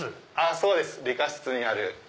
そうです理科室にある。